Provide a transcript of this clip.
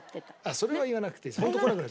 それは言わなくていい。